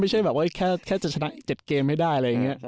ไม่ใช่แบบว่าไอ้แค่ก็จะชนะอีกเจ็ดเกมให้ได้อะไรอย่างเงี้ย